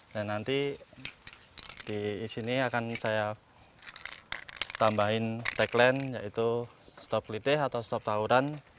dan nanti di sini akan saya tambahin tagline yaitu stop liteh atau stop tawuran